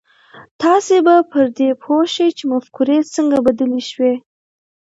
تاسې به پر دې پوه شئ چې مفکورې څنګه بدلې شوې.